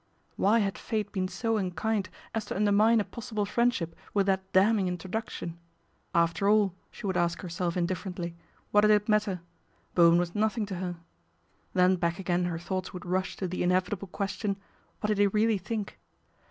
" Why had Fate been so unkind is to undermine a possible friendship with that lamning introduction ? After all, she would PATRICIA BRENT, SPINSTER ask herself indifferently, what did it matter? Bowen was nothing to her. Then back again her thoughts would rush to the inevitable ques tion, what did he really think